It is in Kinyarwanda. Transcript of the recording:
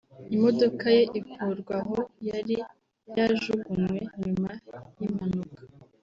imodoka ye ikurwa aho yari yajugunywe nyuma y’impanuka